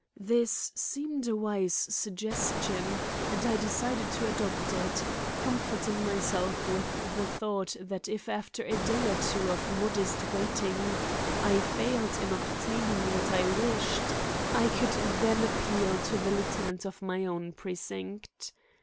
This seemed a wise suggestion and I decided to adopt it, comforting myself with the thought that if after a day or two of modest waiting I failed in obtaining what I wished, I could then appeal to the lieutenant of my own precinct.